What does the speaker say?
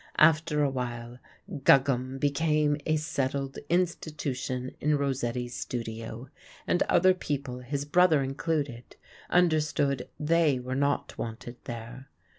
After awhile "Guggum" became a settled institution in Rossetti's studio, and other people, his brother included, understood they were not wanted there.